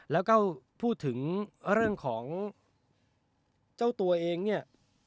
แล้วก็พูดถึงเรื่องของเจ้าตัวเองเนี่ย